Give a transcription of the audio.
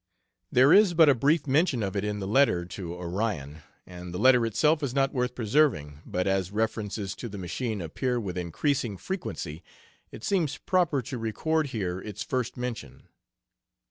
There is but a brief mention of it in the letter to Orion, and the letter itself is not worth preserving, but as references to the "machine" appear with increasing frequency, it seems proper to record here its first mention.